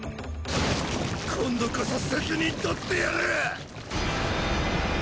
今度こそ責任取ってやる！